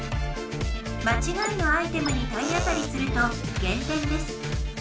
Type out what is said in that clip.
まちがいのアイテムに体当たりすると減点です。